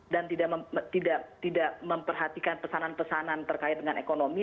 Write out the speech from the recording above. dan tidak memperhatikan pesanan pesanan terkait dengan ekonomi